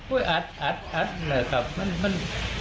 อุ้ยอัดอัดอัดอ่ะจับมันมัน